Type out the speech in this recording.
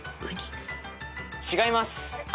違います。